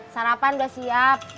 sarapan udah siap